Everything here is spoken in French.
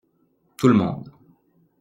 Tout le monde.